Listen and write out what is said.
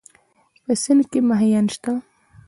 په سيند کې مهيان شته؟